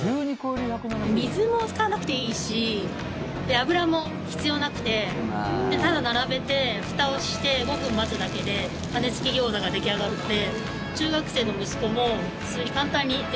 水も使わなくていいし油も必要なくてただ並べてふたをして５分待つだけで羽根付きギョーザが出来上がって。